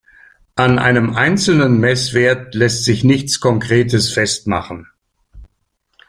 An einem einzelnen Messwert lässt sich nichts Konkretes festmachen.